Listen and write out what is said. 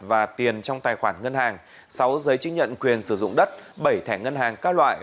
và tiền trong tài khoản ngân hàng sáu giấy chứng nhận quyền sử dụng đất bảy thẻ ngân hàng các loại